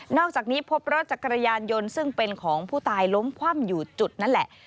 อกจากนี้พบรถจักรยานยนต์ซึ่งเป็นของผู้ตายล้มคว่ำอยู่จุดนั้นแหละ